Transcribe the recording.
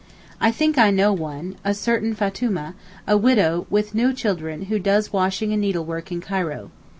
I think I know one, a certain Fatoomeh, a widow with no children who does washing and needlework in Cairo.